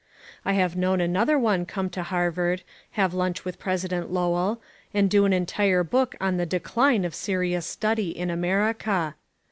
I have known another one come to Harvard, have lunch with President Lowell, and do an entire book on the Decline of Serious Study in America.